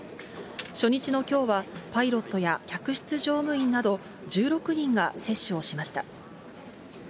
初日のきょうは、パイロットや客室乗務員など、１６人が接種をしました。